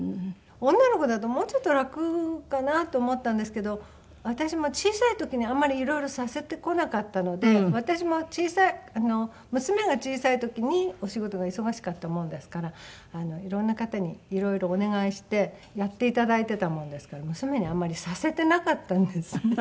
女の子だともうちょっと楽かなと思ったんですけど私も小さい時にあんまりいろいろさせてこなかったので私も娘が小さい時にお仕事が忙しかったもんですからいろんな方にいろいろお願いしてやっていただいてたものですから娘にあんまりさせてなかったんですね。